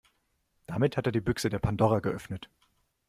Damit hat er die Büchse der Pandora geöffnet.